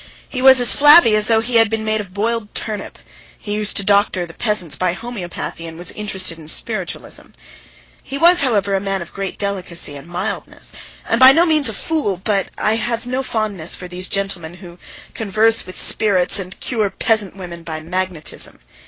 He was as flabby as though he had been made of boiled turnip; he used to doctor the peasants by homeopathy and was interested in spiritualism. He was, however, a man of great delicacy and mildness, and by no means a fool, but I have no fondness for these gentlemen who converse with spirits and cure peasant women by magnetism.